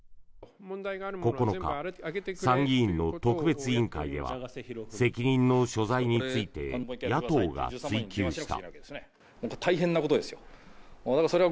９日、参議院の特別委員会では責任の所在について野党が追及した。